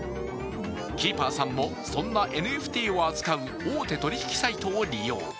キーパーさんも、そんなＮＦＴを取り扱う大手取り引きサイトを利用。